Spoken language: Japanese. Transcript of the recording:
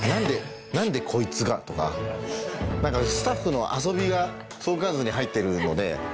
「何でこいつが？」とかスタッフの遊びが相関図に入ってるので。